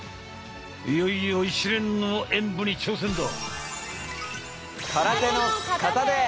いよいよ一連の演武に挑戦だ！